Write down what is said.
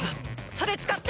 それ使って！